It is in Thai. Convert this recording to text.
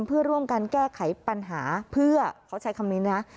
เพื่อร่วมกันแก้ไขปัญหาเพื่อเขาใช้คำนี้นะ